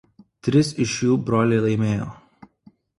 Tris iš jų broliai laimėjo.